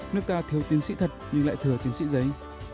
nước ta thiếu tiến sĩ thật nhưng lại thừa tiến sĩ giấy